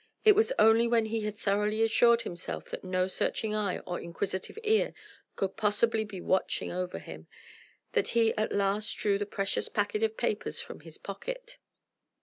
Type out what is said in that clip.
It was only when he had thoroughly assured himself that no searching eye or inquisitive ear could possibly be watching over him that he at last drew the precious packet of papers from his pocket.